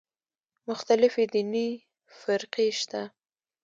مختلفې دیني فرقې شته دي.